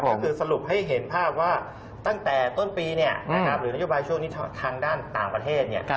ก็คือสรุปให้เห็นภาพว่าตั้งแต่ต้นปีหรือนโยบายช่วงนี้ทางด้านต่างประเทศ